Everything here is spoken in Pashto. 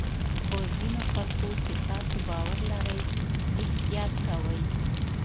په ځینو خلکو چې تاسو باور لرئ احتیاط کوئ.